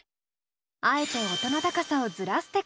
あえて音の高さをずらすテクニック。